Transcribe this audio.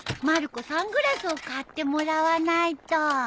まる子サングラスを買ってもらわないと。